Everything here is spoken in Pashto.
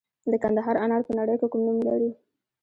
د کندهار انار په نړۍ کې نوم لري.